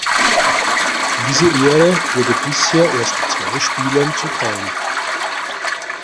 Diese Ehre wurde bisher erst zwei Spielern zuteil.